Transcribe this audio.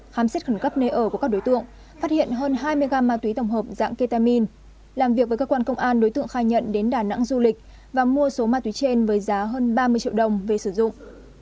khám xét khẩn cấp nơi ở của các đối tượng phát hiện hơn hai mươi gram ma túy tổng hợp dạng ketamin làm việc với cơ quan công an đối tượng khai nhận đến đà nẵng du lịch và mua số ma túy trên với giá hơn ba mươi triệu đồng về sử dụng